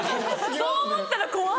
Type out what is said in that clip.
そう思ったら怖い。